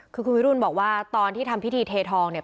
คือคุณวิรุณบอกว่าตอนที่ทำพิธีเททองเนี่ย